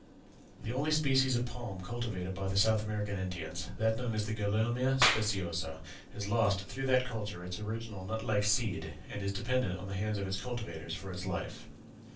"The only species of palm cultivated by the South American Indians, that known as the Gulielma speciosa, has lost through that culture its original nut like seed, and is dependent on the hands of its cultivators for its life.